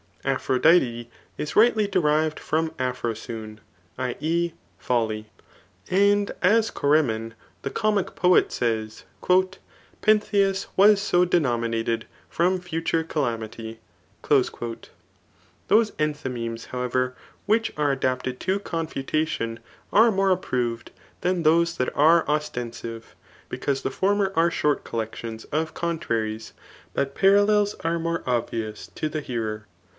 Aphrodite^ is rightly derived from aphrosune [i. e. folly •] And as Choeremon [the comic poet] says, ^' PefUheus was so denominated from future takmuty. Those enthymemes, however,, which are adapted to confutation, are more approved than thoee that are ostensive ; because the former are short colkc .tions of contraries ; but parallels are more obvious to die hearer.